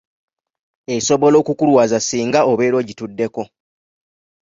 Esoobola okukulwaza singa obeera ogituddeko.